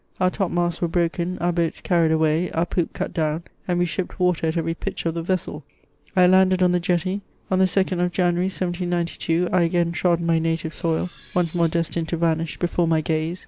Our top masts were broken, our boats carried away, our poop cut down, and we shipped water at every pitch of the vessel. I landed on the jetty ; on the 2nd of January, 1792, I again trod my native soil, once more destined to vanish before my gaze.